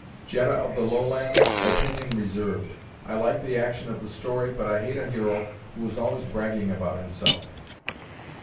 "Jetta of the Lowlands?" Opinion reserved. I like the action of the story, but I hate a hero who is always bragging about himself.